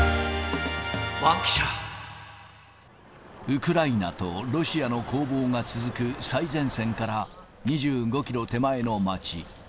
ウクライナとロシアの攻防が続く最前線から２５キロ手前の町。